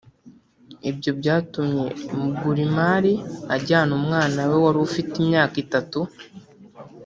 Ibyo byatumye Mugurimari ajyana umwana we wari ufite imyaka itatu